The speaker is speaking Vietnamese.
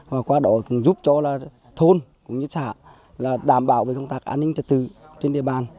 và qua đó cũng giúp cho thôn cũng như xã đảm bảo về công tác an ninh trật tự trên địa bàn